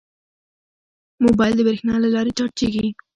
موبایل د بریښنا له لارې چارجېږي.